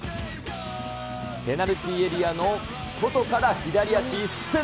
ペナルティーエリアの外から左足いっせん。